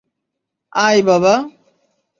আয়, বাবা।